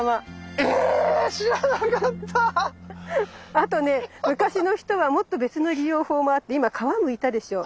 あとね昔の人はもっと別の利用法もあって今皮むいたでしょう？